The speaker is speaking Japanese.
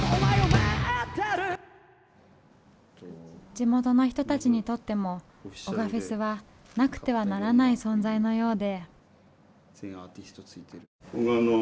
地元の人たちにとっても男鹿フェスはなくてはならない存在のようで。